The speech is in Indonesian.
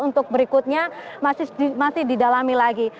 untuk berikutnya masih didalami lagi